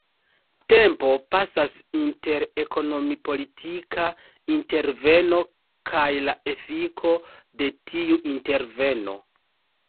Tempo pasas inter ekonomi-politika interveno kaj la efiko de tiu interveno.